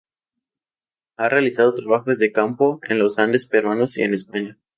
Ha realizado trabajos de campo en los Andes peruanos y en España.